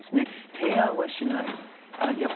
提案はしない。